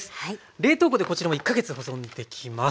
冷凍庫でこちらも１か月保存できます。